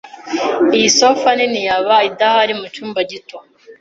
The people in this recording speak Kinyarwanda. Iyi sofa nini yaba idahari mucyumba gito.